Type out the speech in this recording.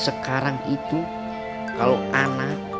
sekarang itu kalau anaknya